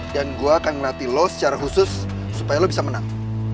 dan gue akan ngelatih lo secara khusus supaya lo bisa menang